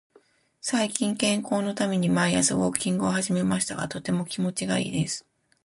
最近、健康のために毎朝ウォーキングを始めましたが、とても気持ちがいいです。